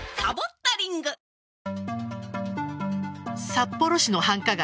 札幌市の繁華街